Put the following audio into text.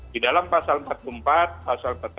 di dalam pasal empat puluh empat pasal empat puluh satu